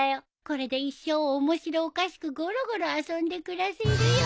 これで一生おもしろおかしくゴロゴロ遊んで暮らせるよ。